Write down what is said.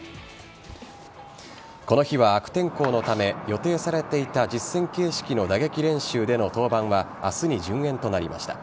この日は悪天候のため予定されていた実戦形式の打撃練習での登板は明日に順延となりました。